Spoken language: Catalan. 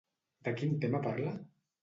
De quin tema parla?